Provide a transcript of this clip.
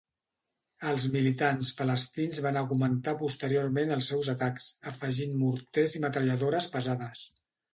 Els militants palestins van augmentar posteriorment els seus atacs, afegint morters i metralladores pesades.